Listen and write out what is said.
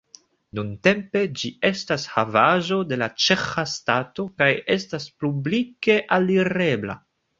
Nuntempe ĝi estas havaĵo de la ĉeĥa stato kaj estas publike alirebla.